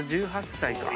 １８歳か。